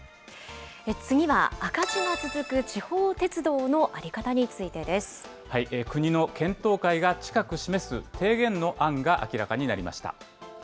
次は、赤字が続く地方鉄道の在り方についてです。国の検討会が近く示す提言の案が明らかになりました。